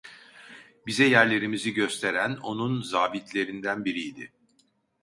Bize yerlerimizi gösteren, onun zabitlerinden biriydi.